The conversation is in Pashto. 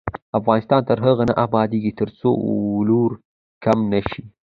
افغانستان تر هغو نه ابادیږي، ترڅو ولور کم نشي.